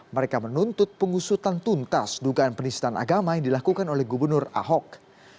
mereka menuntut pengusutan tuntas dugaan penistaan agama yang dilakukan oleh gubernur ahok